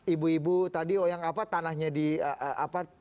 ibu ibu tadi yang apa tanahnya di apa